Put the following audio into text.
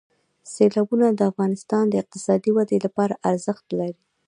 سیلابونه د افغانستان د اقتصادي ودې لپاره ارزښت لري.